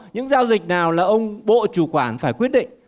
những giao dịch nào là ông bộ chủ quản phải quyết định